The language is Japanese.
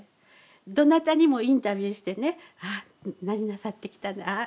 どなたにもインタビューしてねああ何なさってきたああ